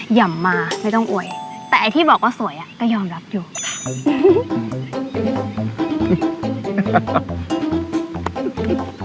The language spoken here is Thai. อย่ามาไม่ต้องอวยแต่ไอ้ที่บอกว่าสวยอ่ะก็ยอมรับอยู่